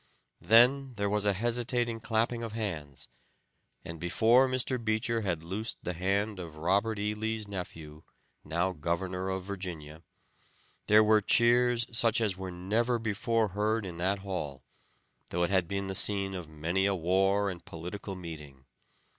Then there was a hesitating clapping of hands, and before Mr. Beecher had loosed the hand of Robert E. Lee's nephew, now Governor of Virginia there were cheers such as were never before heard in that hall, though it had been the scene of many a war and political meeting.